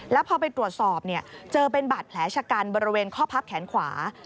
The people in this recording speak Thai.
แล้วพอไปตรวจสอบเจอเป็นบาดแผลชะกันบริเวณข้อพับแขนขวา